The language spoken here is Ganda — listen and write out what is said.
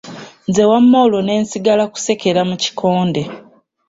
Nze wamma olwo ne nsigala kusekera mu kikonde.